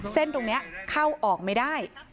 เส้นตรงนี้เข้าออกไม่ได้